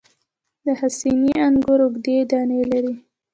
د حسیني انګور اوږدې دانې لري.